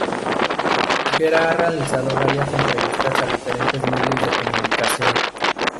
Mosquera ha realizado varias entrevistas a diferentes medios de comunicación.